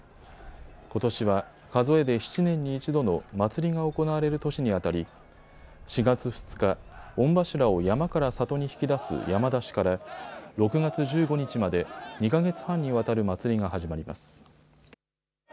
ことしは数えで７年に１度の祭りが行われる年にあたり４月２日、御柱を山から里にひき出す山出しから６月１５日まで２か月半にわたる祭りが始まります。